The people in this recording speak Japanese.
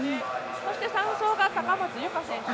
そして３走が高松佑圭選手。